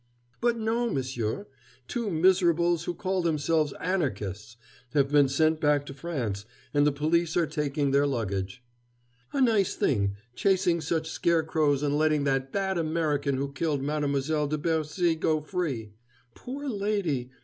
"But no, monsieur. Two miserables who call themselves Anarchists have been sent back to France, and the police are taking their luggage. A nice thing, chasing such scarecrows and letting that bad American who killed Mademoiselle de Bercy go free. Poor lady!